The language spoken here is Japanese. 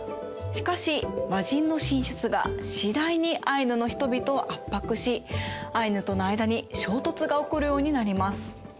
しかし和人の進出が次第にアイヌの人々を圧迫しアイヌとの間に衝突が起こるようになります。